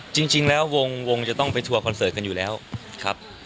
จริงแล้ววงจะต้องไปทัวร์คอนเสิร์ตกันอยู่แล้วครับ